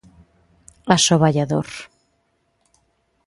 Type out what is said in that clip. Asoballador.